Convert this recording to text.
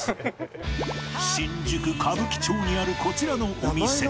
新宿歌舞伎町にあるこちらのお店。